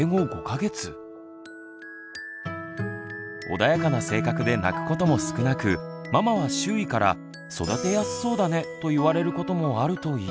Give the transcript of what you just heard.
穏やかな性格で泣くことも少なくママは周囲から「育てやすそうだね」と言われることもあるといいます。